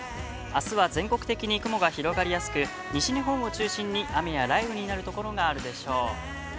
明日は全国的に雲が広がりやすく西日本を中心に雨や雷雨になるところがあるでしょう。